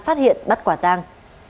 phát hiện bắt quả tang